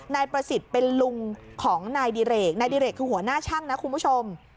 นายประสิทธิ์เป็นลุงของนายดิเรกนายดิเรกคือหัวหน้าช่างนะคุณผู้ชม